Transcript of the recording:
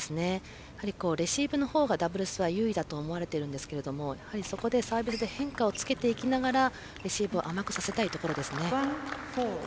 レシーブの方がダブルスは優位だと思われているんですがそこでサービスで変化をつけていきながらレシーブを甘くさせたいところです。